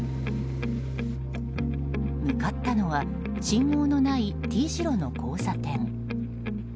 向かったのは信号のないＴ字路の交差点。